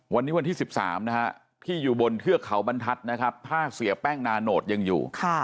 วันนี้วันที่๑๓นะฮะที่อยู่บนเทือกเขาบรรทัศน์นะครับถ้าเสียแป้งนาโนตยังอยู่